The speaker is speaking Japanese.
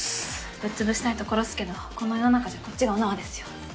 ぶっつぶしたいところっすけどこの世の中じゃこっちがお縄ですよ。